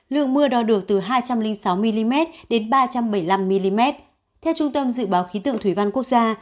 lượng mưa đo được từ hai trăm linh sáu mm đến ba trăm bảy mươi năm mm theo trung tâm dự báo khí tượng thủy văn quốc gia